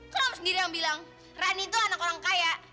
kron sendiri yang bilang rani itu anak orang kaya